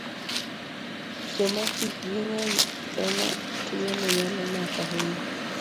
Joma hikgi ng'eny e ma tuwono nyalo mako ahinya.